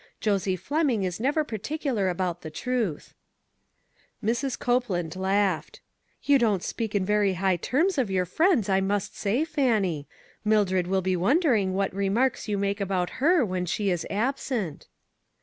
Josie Fleming is never particular about the truth." Mrs. Copeland laughed. "You don't speak in very high terms of your friends, I must say, Fannie ; Mildred will be wondering what remarks you make about her when she is absent."